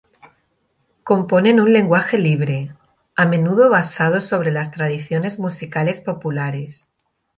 Compone en un lenguaje libre, a menudo basado sobre las tradiciones musicales populares.